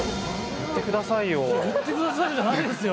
言ってくださいよじゃないですよ。